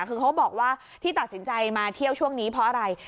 คือเขาบอกว่าที่ตัดสินใจมาเที่ยวช่วงนี้เพราะอะไร